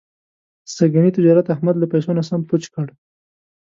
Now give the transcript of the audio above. سږني تجارت احمد له پیسو نه سم پوچ کړ.